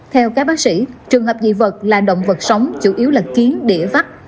theo các bác sĩ trường hợp dị vật là động vật sống chủ yếu là kiến đĩa vắt